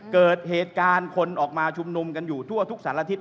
เกิดเหตุการณ์คนออกมาชุมนุมกันอยู่ทั่วทุกสารอาทิตย